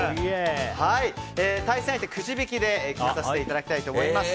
対戦相手はくじ引きで決めさせていただきたいと思います。